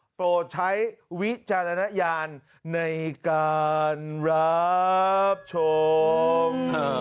โปรดใช้วิจารณญาณในการรับชม